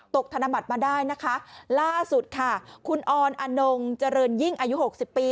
ธนบัตรมาได้นะคะล่าสุดค่ะคุณออนอนงเจริญยิ่งอายุหกสิบปี